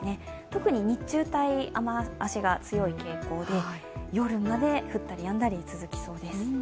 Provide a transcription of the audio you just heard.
特に日中帯、雨足が強い傾向で夜まで降ったりやんだり続きそうです。